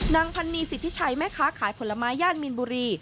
นางพันนีสิทธิชัยแม่ค้าขายผลไม้ย่านมีนบุรี